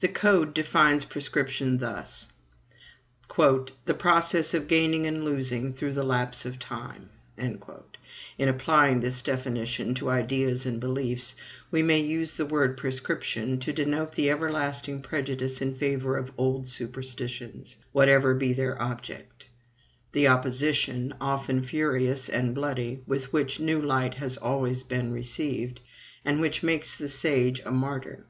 The Code defines prescription thus: "The process of gaining and losing through the lapse of time." In applying this definition to ideas and beliefs, we may use the word PRESCRIPTION to denote the everlasting prejudice in favor of old superstitions, whatever be their object; the opposition, often furious and bloody, with which new light has always been received, and which makes the sage a martyr.